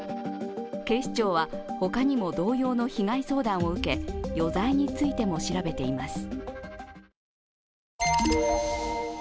警視庁は他にも同様の被害相談を受け、余罪についても調べています。